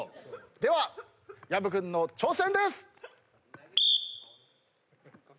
では薮君の挑戦です。